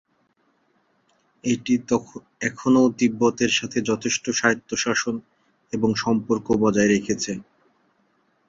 এটি এখনও তিব্বতের সাথে যথেষ্ট স্বায়ত্তশাসন এবং সম্পর্ক বজায় রেখেছে।